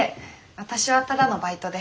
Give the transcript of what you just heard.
私はただのバイトで。